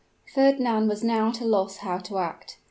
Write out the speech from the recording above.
Fernand was now at a loss how to act.